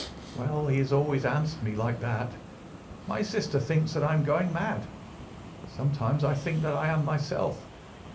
Well, he has always answered me like that. My sister thinks that I am going mad. Sometimes I think that I am myself.